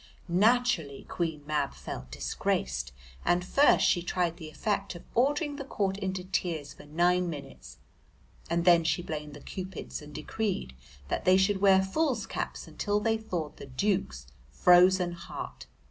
Naturally Queen Mab felt disgraced, and first she tried the effect of ordering the court into tears for nine minutes, and then she blamed the Cupids and decreed that they should wear fools' caps until they thawed the Duke's frozen heart.